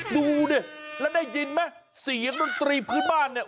ดูนี่และได้ยินไหมเสียงนนตรีพื้นบ้านนี้